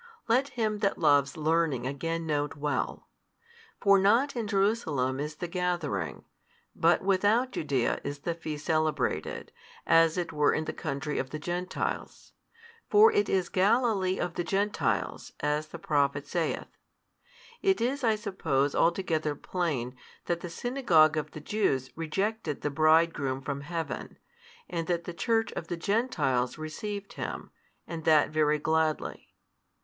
Let him that loves learning again note well: for not in Jerusalem is the gathering, but without Judaea is the feast celebrated, as it were in the country of the Gentiles. For it is Galilee of the gentiles, as the prophet saith. It is I suppose altogether plain, that the synagogue of the Jews rejected the Bridegroom from Heaven, and that the church of the Gentiles received Him, and that very gladly.